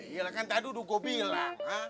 iya kan tadi udah gue bilang